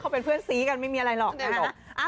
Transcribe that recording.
เขาเป็นเพื่อนซีกันไม่มีอะไรหรอกนะคะ